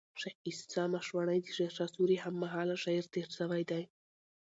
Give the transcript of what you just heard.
شېخ عیسي مشواڼى د شېرشاه سوري هم مهاله شاعر تېر سوی دئ.